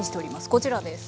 こちらです。